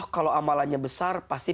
kalau amalannya besar